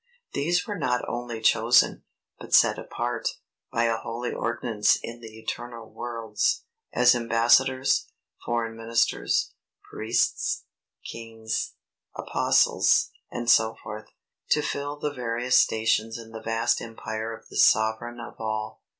These were not only chosen, but set apart, by a holy ordinance in the eternal worlds, as Embassadors, Foreign Ministers, Priests, Kings, Apostles, &c., to fill the various stations in the vast empire of the Sovereign of all.